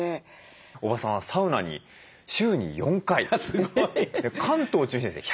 大庭さんはサウナに週に４回関東を中心にですね